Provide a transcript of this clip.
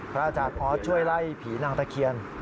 พระอาจารย์ออสช่วยไล่ผีนางตะเคียน